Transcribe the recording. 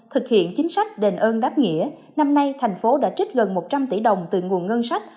thực hiện chính sách đền ơn đáp nghĩa năm nay thành phố đã trích gần một trăm linh tỷ đồng từ nguồn ngân sách